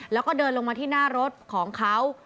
แล้วก็เดินลงมาที่หน้ารถของเขา